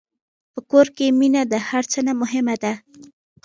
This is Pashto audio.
په کور کې مینه د هر څه نه مهمه ده.